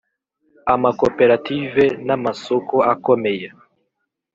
Amaakoperative namasoko akomeye